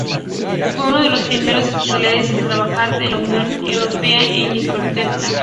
Fue uno de los primeros especialistas en trabajar en la Unión Europea con Lepidoptera.